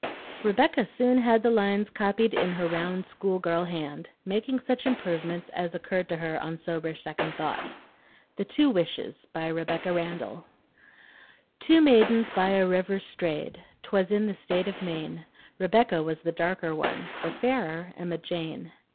Rebecca soon had the lines copied in her round school girl hand, making such improvements as occurred to her on sober second thought. THE TWO WISHES BY REBECCA RANDALL Two maidens by a river strayed, 'T was in the state of Maine. Rebecca was the darker one, The fairer, Emma Jane.